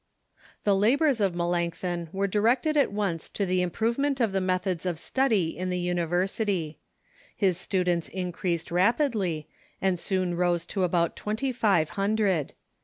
The labors of Melanchthon were directed at once to the im provement of the methods of study in the universit3^ His students increased rapidly, and soon rose to about "" Lab*'ors°"^ twenty five hundred.